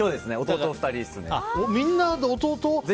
みんな弟？